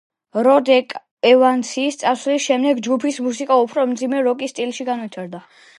როდ ევანსის წასვლის შემდეგ ჯგუფის მუსიკა უფრო მძიმე როკის სტილში განვითარდა.